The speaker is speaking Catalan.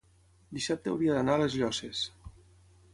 dissabte hauria d'anar a les Llosses.